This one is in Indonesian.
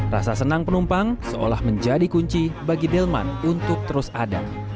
rasa senang penumpang seolah menjadi kunci bagi delman untuk terus ada